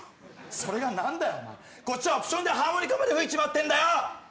それがなんだよお前こっちはオプションでハーモニカまで吹いちまってんだよ